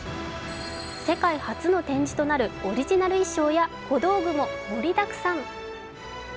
世界初の展示となるオリジナル衣装や小道具なども盛りだくさん。